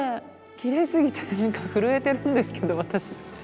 きれいすぎて何か震えてるんですけど私。